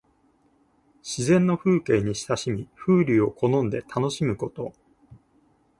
自然の風景に親しみ、風流を好んで楽しむこと。